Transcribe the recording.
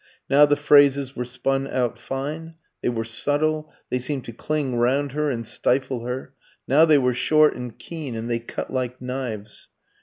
Now the phrases were spun out fine, they were subtle, they seemed to cling round her and stifle her; now they were short and keen, and they cut like knives.